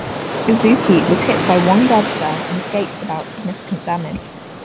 "Uzuki" was hit by one dud shell and escaped without significant damage.